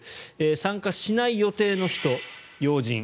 参加しない予定の人、要人。